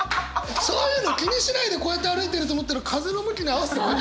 そういうの気にしないでこうやって歩いてると思ったら風の向きに合わせて。